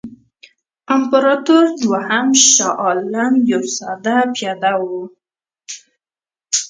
امپراطور دوهم شاه عالم یو ساده پیاده وو.